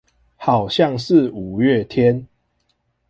好像是五月天